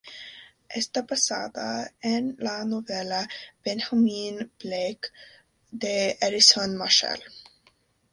Está basada en la novela "Benjamin Blake", de Edison Marshall.